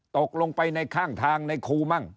ตกลงไปในข้างทางในครูมั่ง